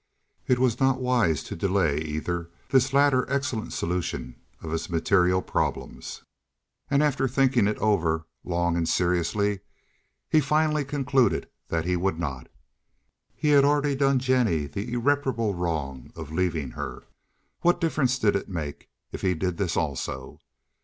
It was not wise to delay either this latter excellent solution of his material problems, and after thinking it over long and seriously he finally concluded that he would not. He had already done Jennie the irreparable wrong of leaving her. What difference did it make if he did this also?